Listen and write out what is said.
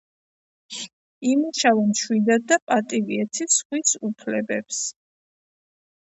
იმუშავე მშვიდად და პატივი ეცი სხვის უფლებებს.